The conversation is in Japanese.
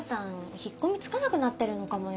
引っ込みつかなくなってるのかもよ？